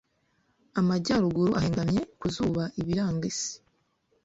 Amajyaruguru ihengamye ku zubaIbiranga isi